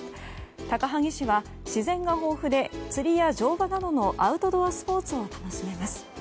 高萩市は自然が豊富で釣りや乗馬などのアウトドアスポーツを楽しめます。